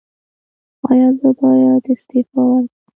ایا زه باید استعفا ورکړم؟